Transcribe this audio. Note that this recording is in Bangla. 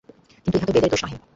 কিন্তু ইহা তো বেদের দোষ নহে।